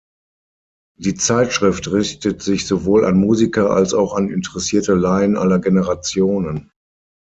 Die Zeitschrift richtet sich sowohl an Musiker als auch an interessierte Laien aller Generationen.